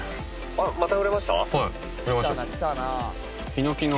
あれ売れました